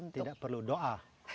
tidak perlu doa